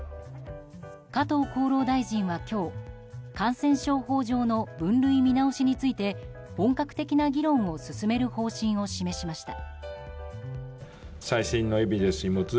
加藤厚労大臣は今日感染症法上の分類見直しについて本格的な議論を進める方針を示しました。